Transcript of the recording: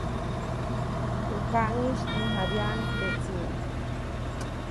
Te kaʼŋis nyäjabyaʼuŋ teʼ tsiʼ.